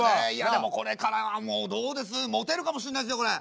でもこれからはもうどうですモテるかもしんないですよこれ。